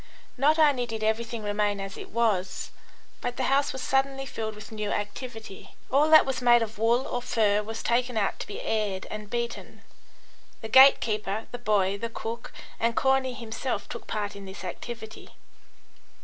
Not only did everything remain as it was, but the house was suddenly filled with new activity. All that was made of wool or fur was taken out to be aired and beaten. The gate keeper, the boy, the cook, and Corney himself took part in this activity.